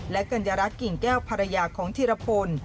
กัญญารัฐกิ่งแก้วภรรยาของธีรพล